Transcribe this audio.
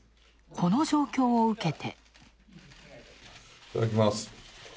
この状況を受けて。